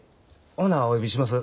ほなお呼びします。